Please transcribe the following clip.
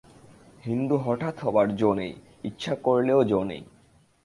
হিন্দু হঠাৎ হবার জো নেই, ইচ্ছা করলেও জো নেই।